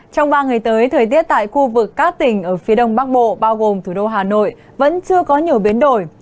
trong ba ngày tới thời tiết tại khu vực các tỉnh ở phía đông bắc bộ bao gồm thủ đô hà nội vẫn chưa có nhiều biến đổi